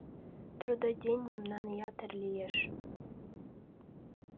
Трудодень мемнан ятыр лиеш.